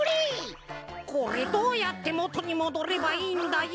これどうやってもとにもどればいいんだよ。